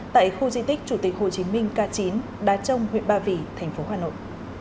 tại khu di tích chủ tịch hồ chí minh k chín đá trông huyện ba vì thành phố hà nội